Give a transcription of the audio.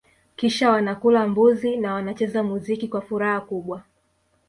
Kisha wanakula mbuzi na wanacheza muziki kwa furaha kubwa